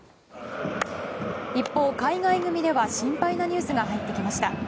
一方、海外組では心配なニュースが入ってきました。